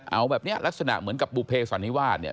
เอาแบบนี้ลักษณะเหมือนกับบุเภสันนิวาสเนี่ย